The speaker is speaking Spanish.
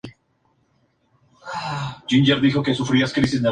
Como una concubina no estaba casada en matrimonio, tenía menos derechos en el hogar.